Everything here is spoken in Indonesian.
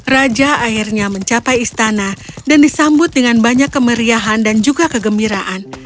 raja akhirnya mencapai istana dan disambut dengan banyak kemeriahan dan juga kegembiraan